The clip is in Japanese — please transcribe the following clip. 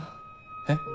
えっ？